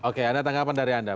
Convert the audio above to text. oke ada tanggapan dari anda